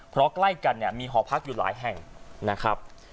เพราะใกล้กันเนี่ยมีหอพักอยู่หลายแห่งนะครับ